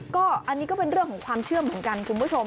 ก็อันนี้ก็เป็นเรื่องของความเชื่อเหมือนกันคุณผู้ชม